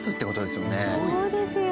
そうですよ。